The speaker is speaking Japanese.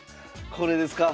これですか？